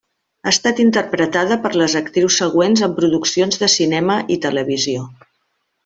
Ha estat interpretada per les actrius següents en produccions de cinema i televisió.